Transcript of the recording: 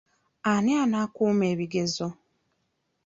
Ani anaakuuma ebigezo?